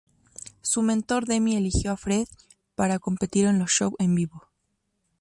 Su mentor Demi eligió a Frey para competir en los shows en vivo.